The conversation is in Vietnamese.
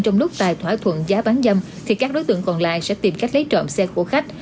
trong lúc tài thỏa thuận giá bán dâm thì các đối tượng còn lại sẽ tìm cách lấy trộm xe của khách